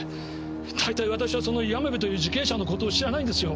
だいたい私はその山部という受刑者のことを知らないんですよ。